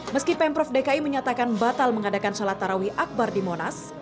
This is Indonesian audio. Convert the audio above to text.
meski pemprov dki menyatakan batal mengadakan sholat tarawih akbar di monas